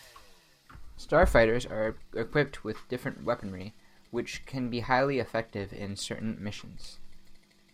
Starfighters are equipped with different weaponry which can be highly effective in certain missions.